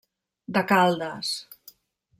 De Caldas.